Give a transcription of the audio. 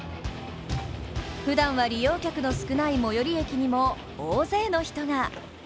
ふだんは利用客の少ない最寄り駅にも大勢の人が。